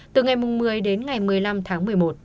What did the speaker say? từ ngày một mươi đến ngày một mươi năm tháng một mươi một